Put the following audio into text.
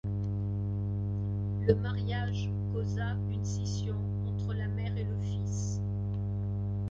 Le mariage causa une scission entre la mère et le fils.